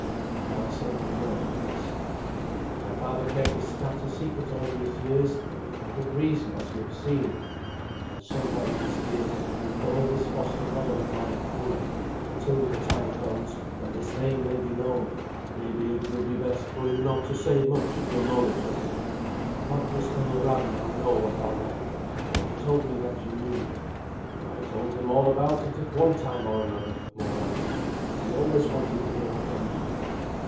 Now I said no more but this: "My father kept this matter secret all these years, and with reason, as we have seen; and so, while he is here, we call this foster brother of mine Curan, until the time comes when his name may he known. Maybe it will be best for you not to say much of your knowledge of him. What does Earl Ragnar know of our wreck? For he told me that you knew me." "I told him all about it at one time or another," Mord answered. "He always wanted to hear of Denmark."